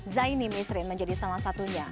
zaini misrin menjadi salah satunya